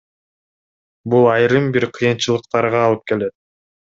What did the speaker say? Бул айрым бир кыйынчылыктарга алып келет.